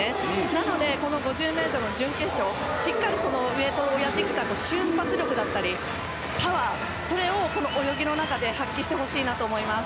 なので、この５０ｍの準決勝しっかりウェートをやってきた瞬発力だったりパワーそれをこの泳ぎの中で発揮してほしいなと思います。